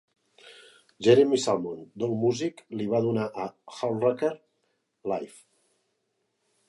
Jeremy Salmon d'Allmusic li va donar a Hallraker: Live!